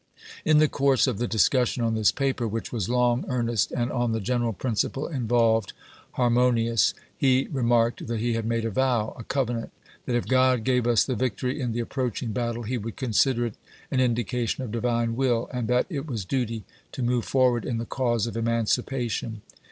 In the course of the discussion on this paper, which was long, earnest, and, on the general principle involved, harmo nious, he remarked that he had made a vow — a covenant — that if God gave us the victory in the approaching battle, he would consider it an indication of Divine will, and that it was duty to move forward in the cause of emancipation.